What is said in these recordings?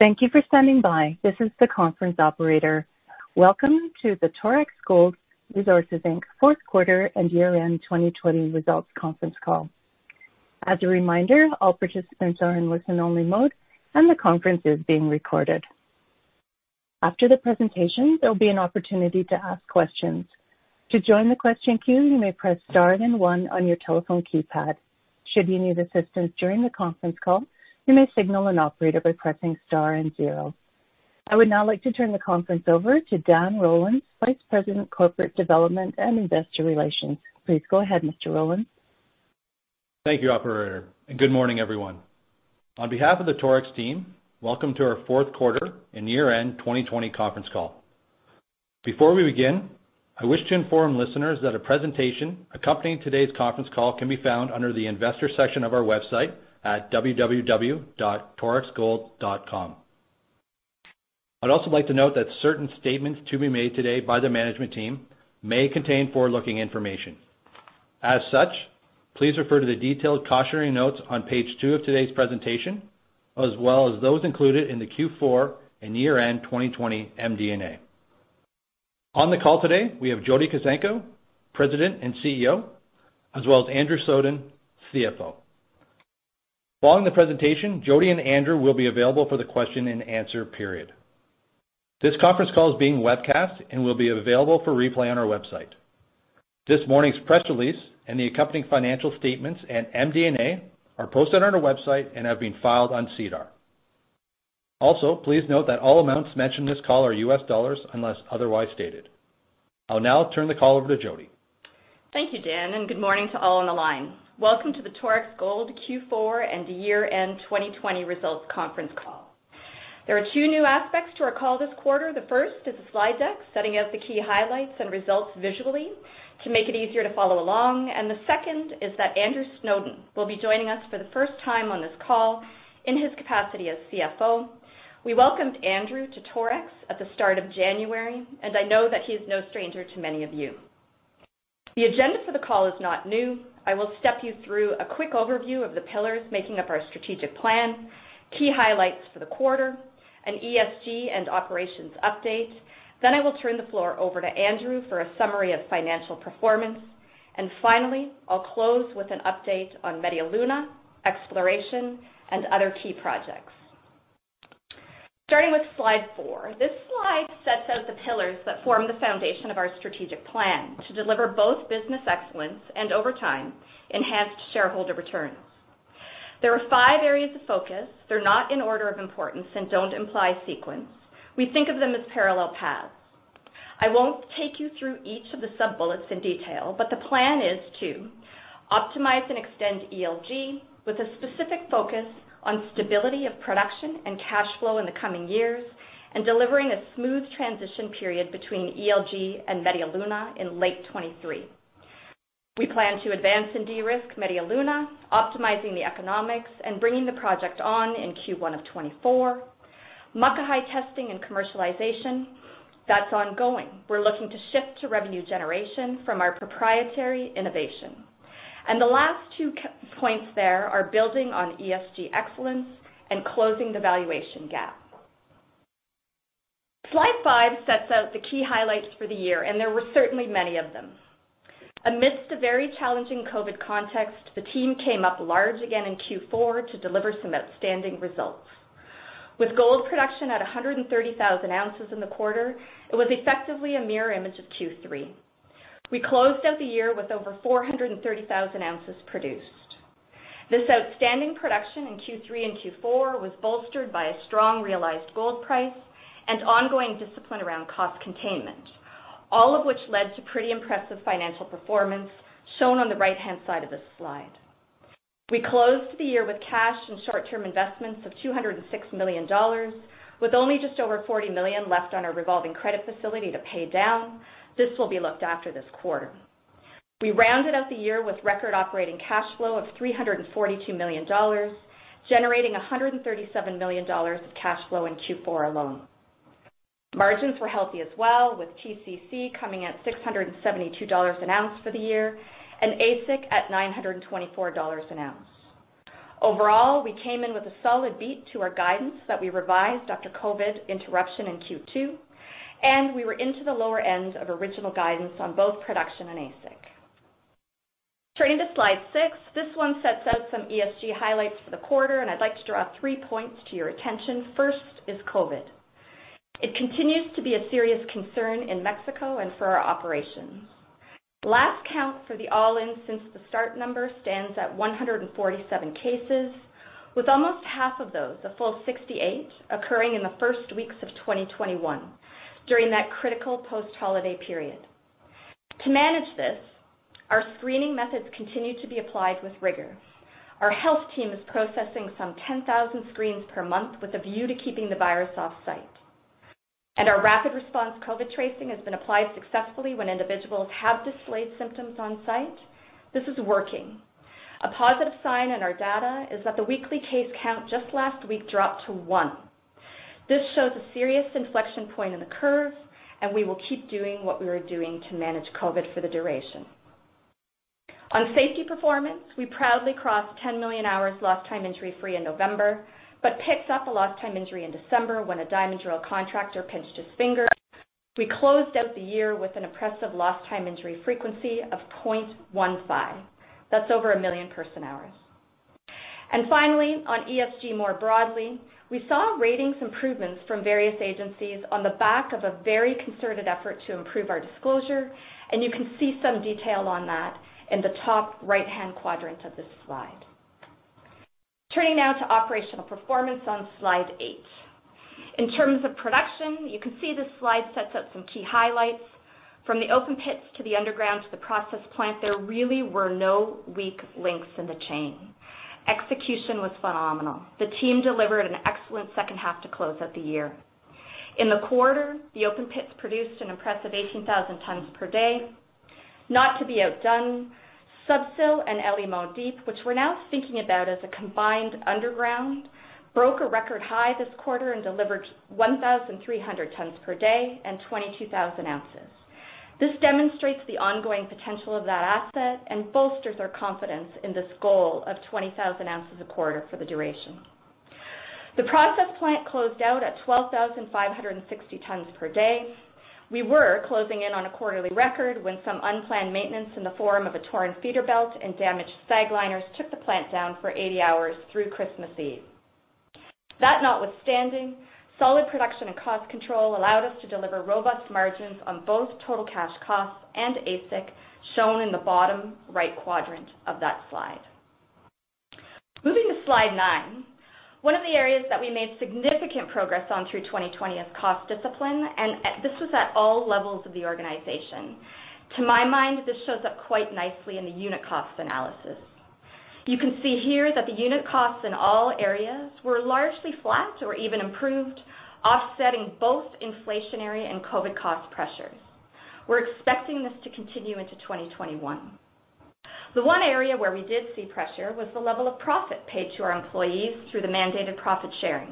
Thank you for standing by. This is the conference operator. Welcome to the Torex Gold Resources Inc. Fourth Quarter and Year-End 2020 Results Conference Call. As a reminder, all participants are in listen-only mode, and the conference is being recorded. After the presentation, there'll be an opportunity to ask questions. To join the question queue, you may press star then one on your telephone keypad. Should you need assistance during the conference call, you may signal an operator by pressing star and zero. I would now like to turn the conference over to Dan Rollins, Vice President of Corporate Development and Investor Relations. Please go ahead, Mr. Rollins. Thank you, operator. Good morning, everyone. On behalf of the Torex team, welcome to our Fourth Quarter and Year-end 2020 Conference Call. Before we begin, I wish to inform listeners that a presentation accompanying today's conference call can be found under the investor section of our website at www.torexgold.com. I'd also like to note that certain statements to be made today by the management team may contain forward-looking information. As such, please refer to the detailed cautionary notes on page two of today's presentation, as well as those included in the Q4 and year-end 2020 MD&A. On the call today, we have Jody Kuzenko, President and CEO, as well as Andrew Snowden, CFO. Following the presentation, Jody and Andrew will be available for the question and answer period. This conference call is being webcast, and will be available for replay on our website. This morning's press release and the accompanying financial statements and MD&A are posted on our website and have been filed on SEDAR. Please note that all amounts mentioned in this call are US dollars, unless otherwise stated. I'll now turn the call over to Jody. Thank you, Dan, and good morning to all on the line. Welcome to the Torex Gold Q4 and Year-end 2020 Results Conference Call. There are two new aspects to our call this quarter. The first is the slide deck, setting out the key highlights and results visually to make it easier to follow along. The second is that Andrew Snowden will be joining us for the first time on this call in his capacity as CFO. We welcomed Andrew to Torex at the start of January, and I know that he is no stranger to many of you. The agenda for the call is not new. I will step you through a quick overview of the pillars making up our strategic plan, key highlights for the quarter, an ESG and operations update, then I will turn the floor over to Andrew for a summary of financial performance. Finally, I'll close with an update on Media Luna, exploration, and other key projects. Starting with slide four. This slide sets out the pillars that form the foundation of our strategic plan to deliver both business excellence, and over time, enhanced shareholder returns. There are five areas of focus. They're not in order of importance and don't imply sequence. We think of them as parallel paths. I won't take you through each of the sub-bullets in detail. The plan is to optimize and extend ELG with a specific focus on stability of production and cash flow in the coming years and delivering a smooth transition period between ELG and Media Luna in late 2023. We plan to advance and de-risk Media Luna, optimizing the economics and bringing the project on in Q1 of 2024. Muckahi testing and commercialization, that's ongoing. We're looking to shift to revenue generation from our proprietary innovation. The last two points there are building on ESG excellence and closing the valuation gap. Slide five sets out the key highlights for the year, and there were certainly many of them. Amidst a very challenging COVID context, the team came up large again in Q4 to deliver some outstanding results. With gold production at 130,000 ounces in the quarter, it was effectively a mirror image of Q3. We closed out the year with over 430,000 ounces produced. This outstanding production in Q3 and Q4 was bolstered by a strong realized gold price and ongoing discipline around cost containment, all of which led to pretty impressive financial performance shown on the right-hand side of this slide. We closed the year with cash and short-term investments of $206 million, with only just over $40 million left on our revolving credit facility to pay down. This will be looked after this quarter. We rounded out the year with record operating cash flow of $342 million, generating $137 million of cash flow in Q4 alone. Margins were healthy as well, with TCC coming at $672 an ounce for the year and AISC at $924 an ounce. Overall, we came in with a solid beat to our guidance that we revised after COVID interruption in Q2. We were into the lower end of original guidance on both production and AISC. Turning to slide six, this one sets out some ESG highlights for the quarter, and I'd like to draw three points to your attention. First is COVID. It continues to be a serious concern in Mexico and for our operations. Last count for the All-In since the start number stands at 147 cases, with almost half of those, a full 68, occurring in the first weeks of 2021 during that critical post-holiday period. To manage this, our screening methods continue to be applied with rigor. Our health team is processing some 10,000 screens per month with a view to keeping the virus off-site. Our rapid response COVID tracing has been applied successfully when individuals have displayed symptoms on-site. This is working. A positive sign in our data is that the weekly case count just last week dropped to one. This shows a serious inflection point in the curve, and we will keep doing what we are doing to manage COVID-19 for the duration. On safety performance, we proudly crossed 10 million hours lost time injury-free in November, but picked up a lost time injury in December when a diamond drill contractor pinched his finger. We closed out the year with an impressive lost time injury frequency of 0.15. That's over 1 million person-hours. Finally, on ESG more broadly, we saw ratings improvements from various agencies on the back of a very concerted effort to improve our disclosure, and you can see some detail on that in the top right-hand quadrant of this slide. Turning now to operational performance on Slide eight. In terms of production, you can see this slide sets up some key highlights. From the open pits to the underground to the process plant, there really were no weak links in the chain. Execution was phenomenal. The team delivered an excellent second half to close out the year. In the quarter, the open pits produced an impressive 18,000 tons per day. Not to be outdone, Sub-Sill and El Limón Deep, which we're now thinking about as a combined underground, broke a record high this quarter and delivered 1,300 tons per day and 22,000 ounces. This demonstrates the ongoing potential of that asset and bolsters our confidence in this goal of 20,000 ounces a quarter for the duration. The process plant closed out at 12,560 tons per day. We were closing in on a quarterly record when some unplanned maintenance in the form of a torn feeder belt and damaged SAG liners took the plant down for 80 hours through Christmas Eve. That notwithstanding, solid production and cost control allowed us to deliver robust margins on both total cash costs and AISC, shown in the bottom right quadrant of that slide. Moving to Slide nine. One of the areas that we made significant progress on through 2020 is cost discipline. This was at all levels of the organization. To my mind, this shows up quite nicely in the unit cost analysis. You can see here that the unit costs in all areas were largely flat or even improved, offsetting both inflationary and COVID cost pressures. We're expecting this to continue into 2021. The one area where we did see pressure was the level of profit paid to our employees through the mandated profit-sharing.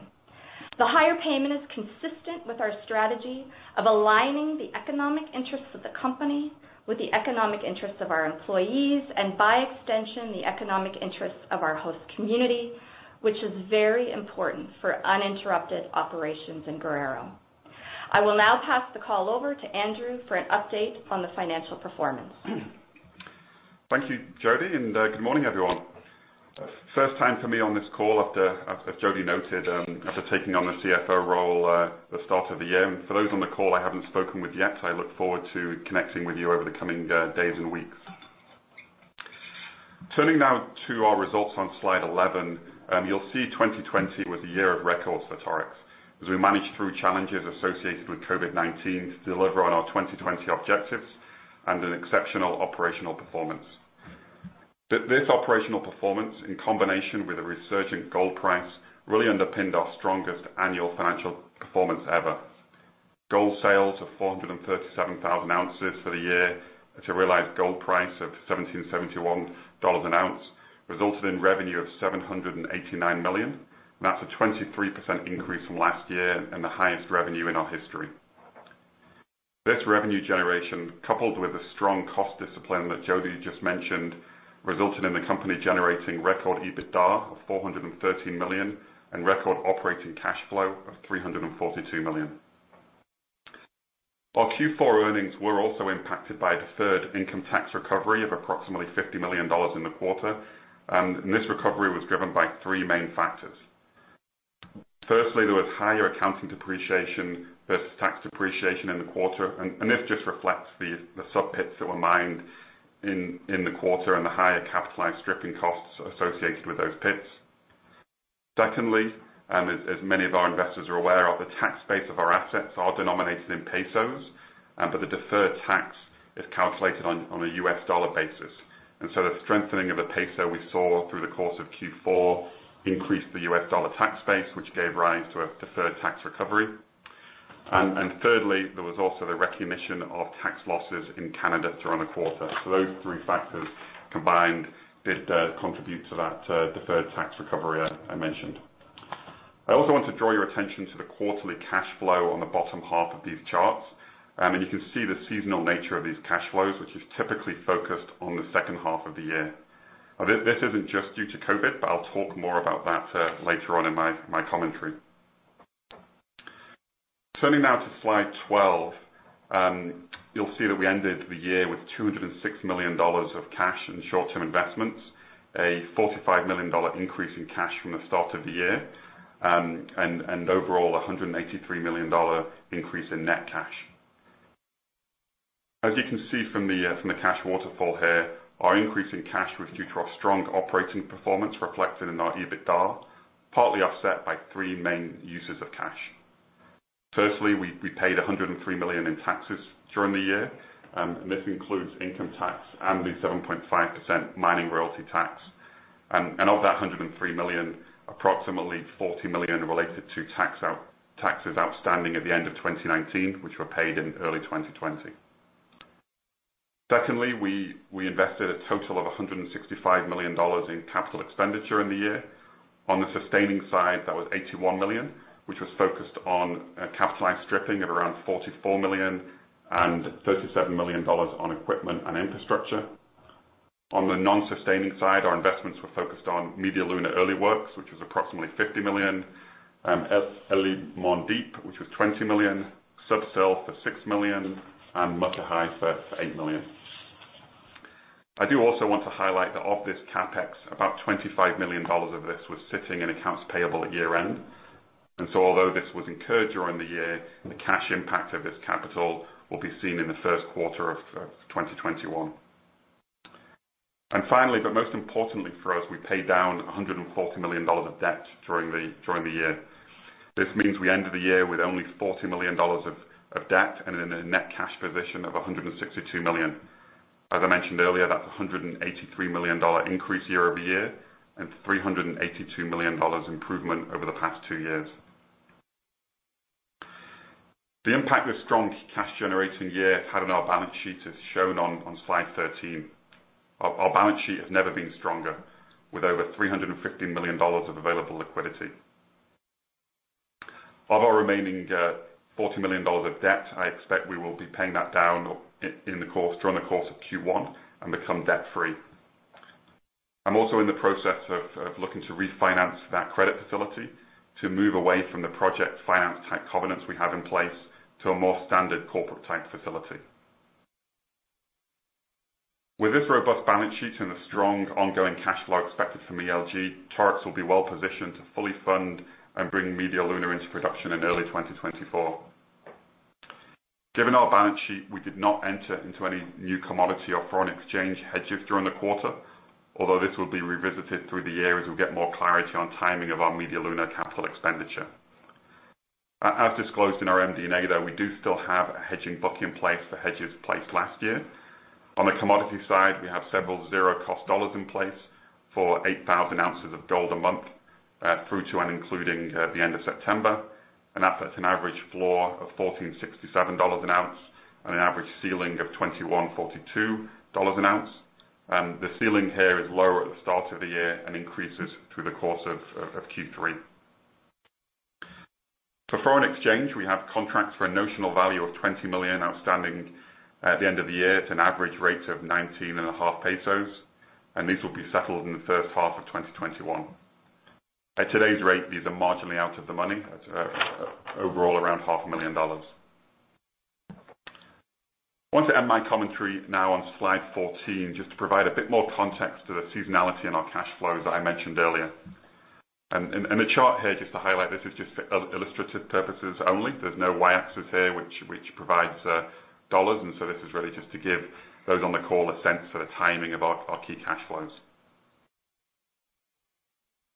The higher payment is consistent with our strategy of aligning the economic interests of the company with the economic interests of our employees and, by extension, the economic interests of our host community, which is very important for uninterrupted operations in Guerrero. I will now pass the call over to Andrew for an update on the financial performance. Thank you, Jody, and good morning, everyone. First time for me on this call, as Jody noted, after taking on the CFO role at the start of the year. For those on the call I haven't spoken with yet, I look forward to connecting with you over the coming days and weeks. Turning now to our results on Slide 11, you'll see 2020 was a year of records for Torex, as we managed through challenges associated with COVID-19 to deliver on our 2020 objectives and an exceptional operational performance. This operational performance, in combination with a resurgent gold price, really underpinned our strongest annual financial performance ever. Gold sales of 437,000 ounces for the year at a realized gold price of $1,771 an ounce resulted in revenue of $789 million. That's a 23% increase from last year and the highest revenue in our history. This revenue generation, coupled with the strong cost discipline that Jody just mentioned, resulted in the company generating record EBITDA of $413 million and record operating cash flow of $342 million. Our Q4 earnings were also impacted by a deferred income tax recovery of approximately $50 million in the quarter. This recovery was driven by three main factors. Firstly, there was higher accounting depreciation versus tax depreciation in the quarter. This just reflects the Sur pits that were mined in the quarter and the higher capitalized stripping costs associated with those pits. Secondly, as many of our investors are aware, the tax base of our assets are denominated in pesos. The deferred tax is calculated on a U.S. dollar basis. The strengthening of the peso we saw through the course of Q4 increased the U.S. dollar tax base, which gave rise to a deferred tax recovery. Thirdly, there was also the recognition of tax losses in Canada during the quarter. Those three factors combined did contribute to that deferred tax recovery I mentioned. I also want to draw your attention to the quarterly cash flow on the bottom half of these charts, and you can see the seasonal nature of these cash flows, which is typically focused on the second half of the year. This isn't just due to COVID-19, but I'll talk more about that later on in my commentary. Turning now to Slide 12. You'll see that we ended the year with $206 million of cash and short-term investments, a $45 million increase in cash from the start of the year, and overall, $183 million increase in net cash. As you can see from the cash waterfall here, our increase in cash was due to our strong operating performance reflected in our EBITDA, partly offset by three main uses of cash. Firstly, we paid $103 million in taxes during the year. This includes income tax and the 7.5% mining royalty tax. Of that $103 million, approximately $40 million related to taxes outstanding at the end of 2019, which were paid in early 2020. Secondly, we invested a total of $165 million in capital expenditure in the year. On the sustaining side, that was $81 million, which was focused on capitalized stripping of around $44 million and $37 million on equipment and infrastructure. On the non-sustaining side, our investments were focused on Media Luna early works, which was approximately $50 million. El Limón Deep, which was $20 million. Sub-Sill for $6 million, and Mulatos for $8 million. I do also want to highlight that of this CapEx, about $25 million of this was sitting in accounts payable at year-end. Although this was incurred during the year, the cash impact of this capital will be seen in the first quarter of 2021. Finally, but most importantly for us, we paid down $140 million of debt during the year. This means we ended the year with only $40 million of debt and in a net cash position of $162 million. As I mentioned earlier, that's $183 million increase year-over-year and $382 million improvement over the past two years. The impact this strong cash generating year had on our balance sheet is shown on slide 13. Our balance sheet has never been stronger, with over $350 million of available liquidity. Of our remaining, $40 million of debt, I expect we will be paying that down during the course of Q1 and become debt-free. I am also in the process of looking to refinance that credit facility to move away from the project finance type covenants we have in place, to a more standard corporate-type facility. With this robust balance sheet and the strong ongoing cash flow expected from ELG, Torex will be well positioned to fully fund and bring Media Luna into production in early 2024. Given our balance sheet, we did not enter into any new commodity or foreign exchange hedges during the quarter, although this will be revisited through the year as we get more clarity on timing of our Media Luna capital expenditure. As disclosed in our MD&A, though, we do still have a hedging book in place for hedges placed last year. On the commodity side, we have several zero-cost collars in place for 8,000 ounces of gold a month, through to and including the end of September. That's an average floor of $1,467 an ounce and an average ceiling of $2,142 an ounce. The ceiling here is lower at the start of the year and increases through the course of Q3. For foreign exchange, we have contracts for a notional value of 20 million outstanding at the end of the year at an average rate of 19.5 pesos, and these will be settled in the first half of 2021. At today's rate, these are marginally out of the money. That's overall around half a million dollars. I want to end my commentary now on slide 14, just to provide a bit more context to the seasonality in our cash flows that I mentioned earlier. The chart here, just to highlight, this is just for illustrative purposes only. There's no Y-axis here which provides dollars. This is really just to give those on the call a sense for the timing of our key cash flows.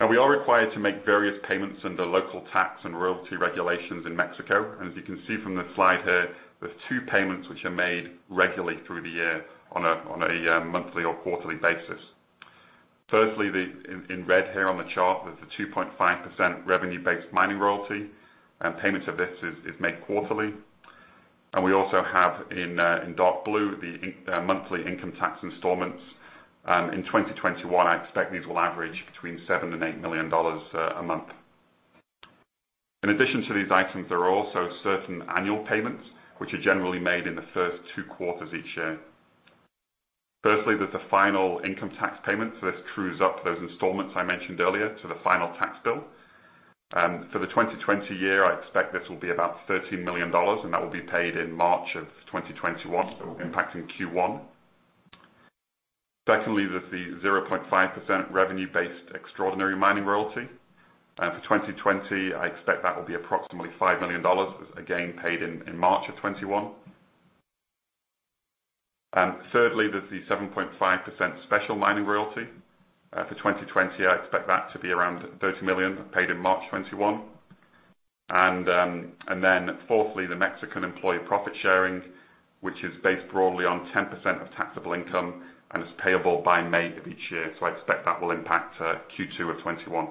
We are required to make various payments under local tax and royalty regulations in Mexico. As you can see from the slide here, there's two payments which are made regularly through the year on a monthly or quarterly basis. Firstly, in red here on the chart, there's a 2.5% revenue-based mining royalty. Payment of this is made quarterly. We also have in dark blue, the monthly income tax installments. In 2021, I expect these will average between $7 million and $8 million a month. In addition to these items, there are also certain annual payments, which are generally made in the first two quarters each year. Firstly, there's the final income tax payment, so this trues up those installments I mentioned earlier to the final tax bill. For the 2020 year, I expect this will be about $13 million, and that will be paid in March of 2021, impacting Q1. Secondly, there's the 0.5% revenue-based extraordinary mining royalty. For 2020, I expect that will be approximately $5 million, again, paid in March of 2021. Thirdly, there's the 7.5% special mining royalty. For 2020, I expect that to be around $30 million, paid in March 2021. Fourthly, the Mexican employee profit sharing, which is based broadly on 10% of taxable income and is payable by May of each year. I expect that will impact Q2 of 2021.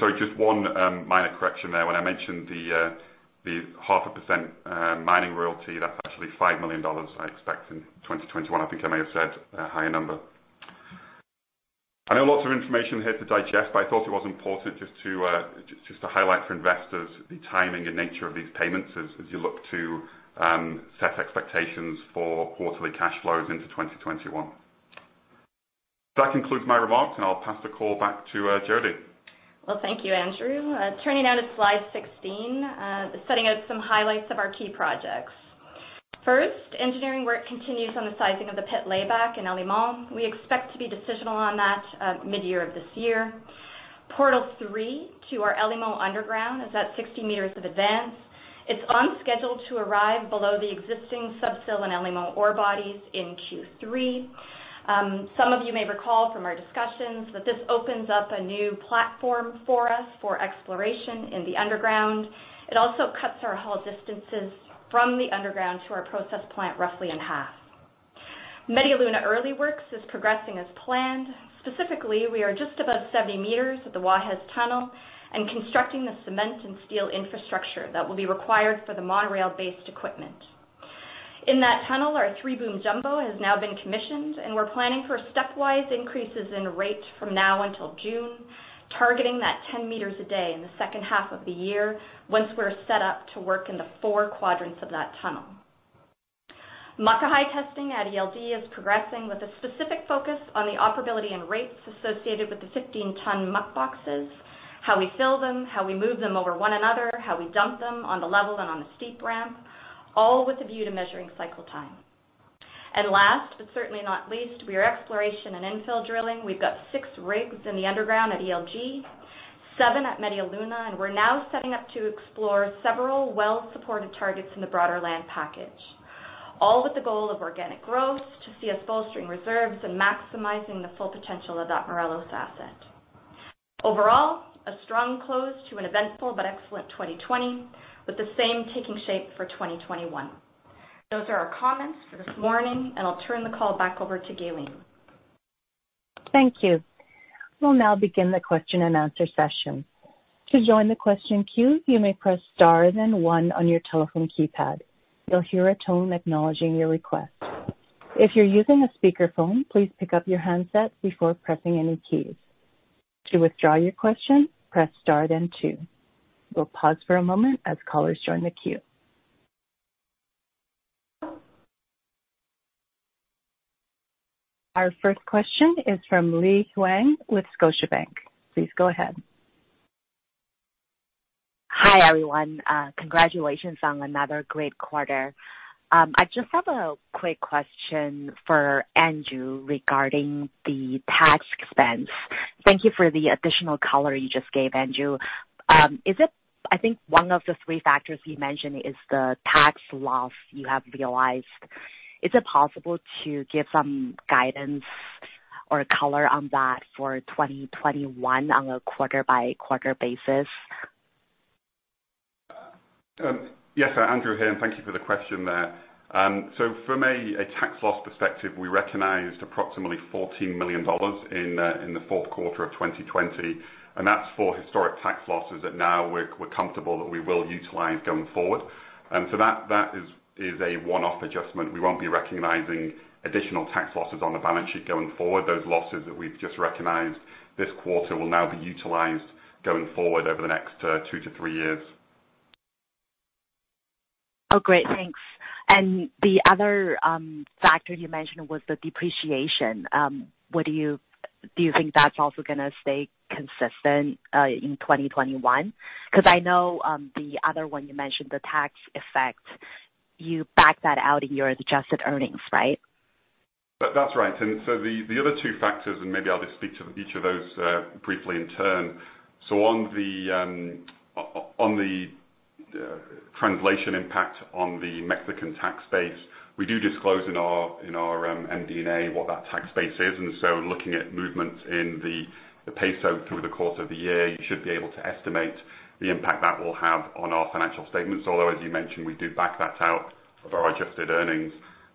Sorry, just one minor correction there. When I mentioned the half a percent mining royalty, that's actually $5 million I expect in 2021. I think I may have said a higher number. I know lots of information here to digest, but I thought it was important just to highlight for investors the timing and nature of these payments as you look to set expectations for quarterly cash flows into 2021. That concludes my remarks, and I'll pass the call back to Jody. Thank you, Andrew. Turning now to slide 16, setting out some highlights of our key projects. First, engineering work continues on the sizing of the pit layback in El Limón. We expect to be decisional on that mid-year of this year. Portal three to our El Limón underground is at 60 meters of advance. It's on schedule to arrive below the existing Sub-Sill in El Limón ore bodies in Q3. Some of you may recall from our discussions that this opens up a new platform for us for exploration in the underground. It also cuts our haul distances from the underground to our process plant roughly in half. Media Luna early works is progressing as planned. Specifically, we are just above 70 meters at the Guajes tunnel and constructing the cement and steel infrastructure that will be required for the monorail-based equipment. In that tunnel, our three-boom jumbo has now been commissioned, and we're planning for stepwise increases in rates from now until June, targeting that 10 meters a day in the second half of the year once we're set up to work in the four quadrants of that tunnel. Muckahi testing at ELD is progressing with a specific focus on the operability and rates associated with the 15-tonne muck boxes, how we fill them, how we move them over one another, how we dump them on the level and on the steep ramp, all with a view to measuring cycle time. Last, but certainly not least, we are exploration and infill drilling. We've got six rigs in the underground at ELG, seven at Media Luna, and we're now setting up to explore several well-supported targets in the broader land package, all with the goal of organic growth to see us bolstering reserves and maximizing the full potential of that Morelos asset. Overall, a strong close to an eventful but excellent 2020 with the same taking shape for 2021. Those are our comments for this morning. I'll turn the call back over to Operator. Thank you. We'll now begin the question and answer session. To join the question queue, you may press star then one on your telephone keypad. You'll hear a tone acknowledging your request. If you're using a speakerphone, please pick up your handset before pressing any keys. To withdraw your question, press star then two. We'll pause for a moment as callers join the queue. Our first question is from Li Hua with Scotiabank. Please go ahead. Hi, everyone. Congratulations on another great quarter. I just have a quick question for Andrew regarding the tax expense. Thank you for the additional color you just gave, Andrew. I think one of the three factors you mentioned is the tax loss you have realized. Is it possible to give some guidance or color on that for 2021 on a quarter-by-quarter basis? Yes, Andrew here. Thank you for the question there. From a tax loss perspective, we recognized approximately $14 million in the fourth quarter of 2020, and that's for historic tax losses that now we're comfortable that we will utilize going forward. That is a one-off adjustment. We won't be recognizing additional tax losses on the balance sheet going forward. Those losses that we've just recognized this quarter will now be utilized going forward over the next two to three years. Oh, great. Thanks. The other factor you mentioned was the depreciation. Do you think that's also going to stay consistent in 2021? Because I know the other one you mentioned, the tax effect, you backed that out in your adjusted earnings, right? That's right. The other two factors, and maybe I'll just speak to each of those briefly in turn. On the translation impact on the Mexican tax base, we do disclose in our MD&A what that tax base is, looking at movements in the peso through the course of the year, you should be able to estimate the impact that will have on our financial statements, although, as you mentioned, we do back that out of our adjusted earnings.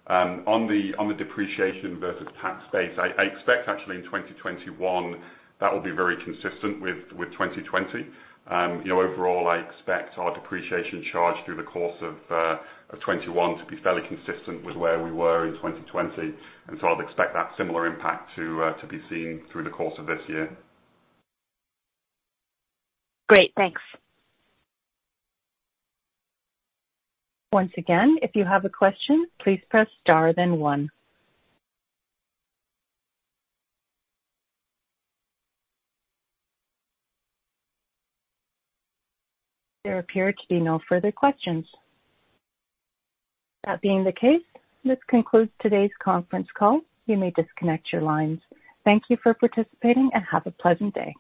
On the depreciation versus tax base, I expect actually in 2021, that will be very consistent with 2020. Overall, I expect our depreciation charge through the course of 2021 to be fairly consistent with where we were in 2020, I'd expect that similar impact to be seen through the course of this year. Great. Thanks. There appear to be no further questions. That being the case, this concludes today's conference call. You may disconnect your lines. Thank you for participating and have a pleasant day.